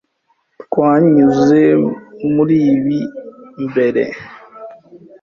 Twanyuze muri ibi mbere.